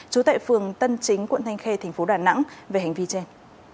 chú tệ phường tân chính quận thanh khê tp đà nẵng về hành vi trên